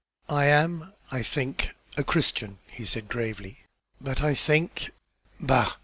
"I am, I think, a Christian," he said, gravely, "but I think bah!